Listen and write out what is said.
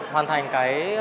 hoàn thành cái